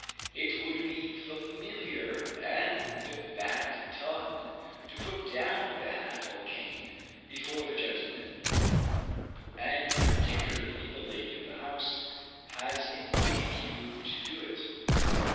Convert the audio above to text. It would be familiar and bad ton to put down the hat or cane, before the gentleman, and particularly the lady of the house, has invited you to do it.